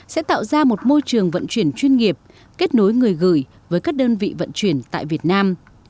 sẽ tạo ra một môi trường vận chuyển chuyên nghiệp kết nối người gửi với các đơn vị vận chuyển tại việt nam